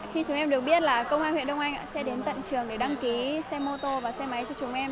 khi chúng em được biết là công an huyện đông anh ạ sẽ đến tận trường để đăng ký xe mô tô và xe máy cho chúng em